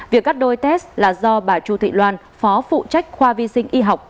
việc cắt đôi test là do bà chu thị loan phó phụ trách khoa vi sinh y học